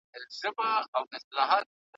پرېږده مُهر کړي پخپله عجایب رنګه وصال دی `